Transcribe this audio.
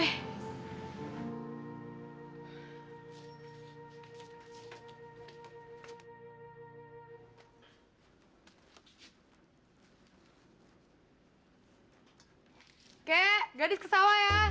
oke gadis ke sawah ya